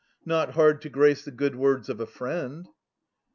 Not hard to grace the good words of a friend.